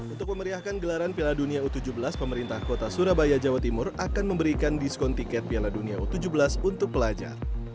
untuk memeriahkan gelaran piala dunia u tujuh belas pemerintah kota surabaya jawa timur akan memberikan diskon tiket piala dunia u tujuh belas untuk pelajar